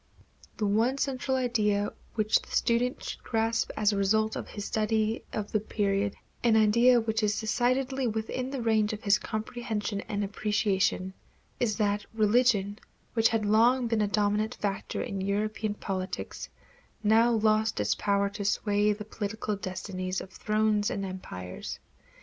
The one central idea which the student should grasp as a result of his study of the period an idea which is decidedly within the range of his comprehension and appreciation is that religion, which had long been a dominant factor in European politics, now lost its power to sway the political destinies of thrones and empires.